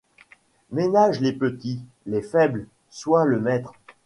Ménage les petits, les faibles. Sois le maître